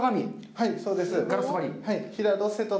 はい、そうです。